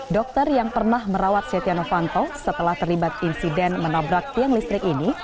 dokter yang pernah merawat setia novanto setelah terlibat insiden menabrak tiang listrik ini